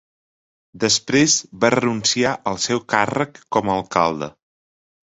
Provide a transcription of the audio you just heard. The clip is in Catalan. Després va renunciar al seu càrrec com a alcalde.